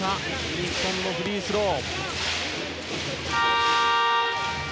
日本のフリースロー。